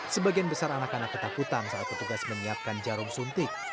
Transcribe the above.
sebagian besar anak anak ketakutan saat petugas menyiapkan jarum suntik